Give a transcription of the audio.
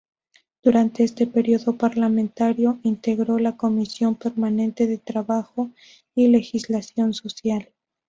Durante este período parlamentario integró la Comisión Permanente de Trabajo y Legislación Social.